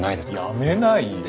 やめないよ。